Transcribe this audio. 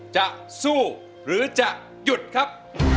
จะสู้หรือจะหยุดครับ